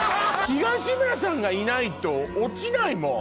東村さんがいないとオチないもう。